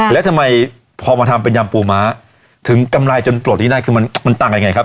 แล้วทำไมพอมาทำเป็นยำปูม้าถึงกำไรจนโปรดนี้ได้คือมันต่างยังไงครับ